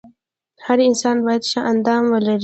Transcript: هر انسان باید ښه اندام ولري .